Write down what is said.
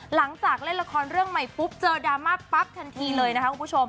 หลังจากเล่นละครเรื่องใหม่เจอดราม่าปั๊บทันทีเลยนะครับ